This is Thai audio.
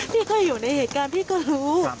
พี่ก็อยู่ในเหตุการณ์พี่ก็รู้